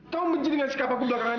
kau menjengikkan sikap aku belakangan ini